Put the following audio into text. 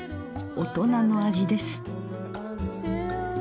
大人の味です。